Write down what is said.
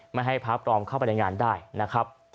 ไม่ให้พระปลอมเข้าไปในงานได้นะครับ